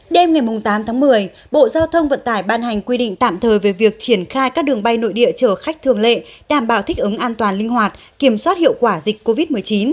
đêm ngày tám tháng một mươi bộ giao thông vận tải ban hành quy định tạm thời về việc triển khai các đường bay nội địa chở khách thường lệ đảm bảo thích ứng an toàn linh hoạt kiểm soát hiệu quả dịch covid một mươi chín